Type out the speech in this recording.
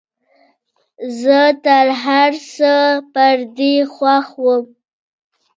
زه تر هرڅه پر دې خوښ وم.